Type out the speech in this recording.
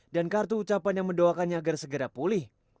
dan kartu ucapan yang mendoakannya agar segera pulih